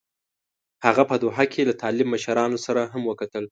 هغه په دوحه کې له طالب مشرانو سره هم وکتل.